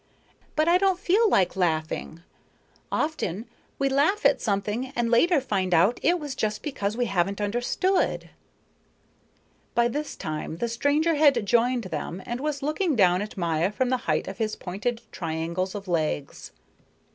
"But I don't feel like laughing. Often we laugh at something and later find out it was just because we haven't understood." By this time the stranger had joined them and was looking down at Maya from the height of his pointed triangles of legs.